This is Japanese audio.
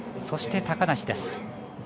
そして、高梨です。